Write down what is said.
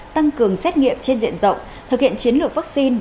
tăng cường xét nghiệm trên diện rộng thực hiện chiến lược vaccine